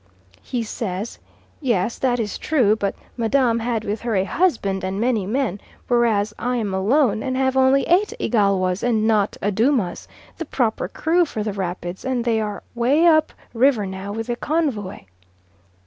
He says "Yes, that is true, but Madame had with her a husband and many men, whereas I am alone and have only eight Igalwas and not Adoomas, the proper crew for the rapids, and they are away up river now with the convoy."